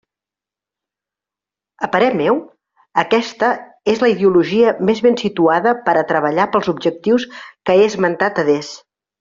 A parer meu, aquesta és la ideologia més ben situada per a treballar pels objectius que he esmentat adés.